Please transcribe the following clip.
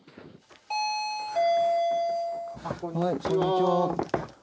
こんにちは。